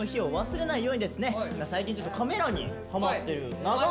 最近ちょっとカメラにハマってる長尾。